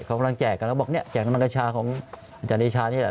เค้ากำลังแจกแล้วบอกเนี่ยแจกการบังกังชาของอาจารย์เนชาเนี่ยแหละ